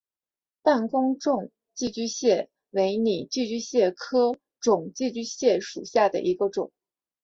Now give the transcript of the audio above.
弹弓肿寄居蟹为拟寄居蟹科肿寄居蟹属下的一个种。